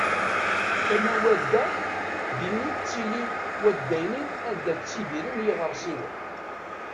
Tama wadda, din i yettili uddaynin anda ttidiren yiɣersiwen.